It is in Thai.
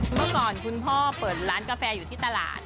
เมื่อก่อนคุณพ่อเปิดร้านกาแฟอยู่ที่ตลาด